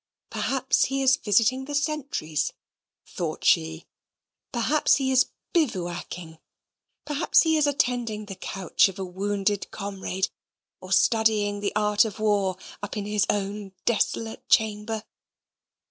Perhaps he is visiting the sentries, thought she; perhaps he is bivouacking; perhaps he is attending the couch of a wounded comrade, or studying the art of war up in his own desolate chamber.